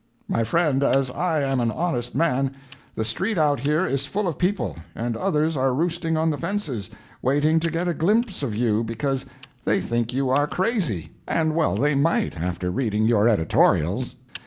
My friend, as I am an honest man, the street out here is full of people, and others are roosting on the fences, waiting to get a glimpse of you, because they think you are crazy. And well they might after reading your editorials.